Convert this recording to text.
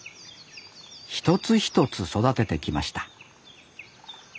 一つ一つ育ててきました